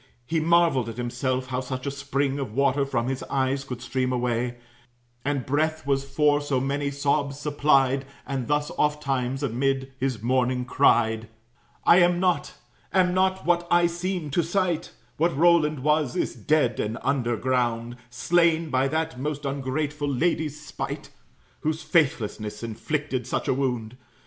He marveled at himself, how such a spring Of water from his eyes could stream away, And breath was for so many sobs supplied; And thus oft times, amid his mourning, cried: "I am not am not what I seem to sight: What Roland was, is dead and under ground, Slain by that most ungrateful lady's spite, Whose faithlessness inflicted such a wound.